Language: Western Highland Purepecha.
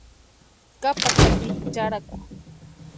Kapaxapti charhaku.